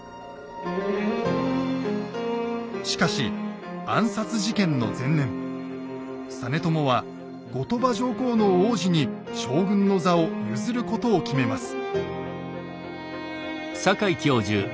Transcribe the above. しかし暗殺事件の前年実朝は後鳥羽上皇の皇子に将軍の座を譲ることを決めます。